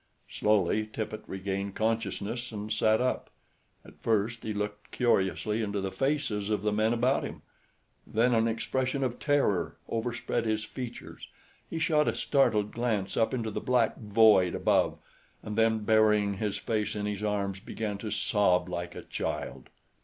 Slowly Tippet regained consciousness and sat up. At first he looked curiously into the faces of the men about him; then an expression of terror overspread his features. He shot a startled glance up into the black void above and then burying his face in his arms began to sob like a child.